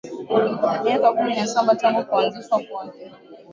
Miaka kumi na saba tangu kuanzishwa kwake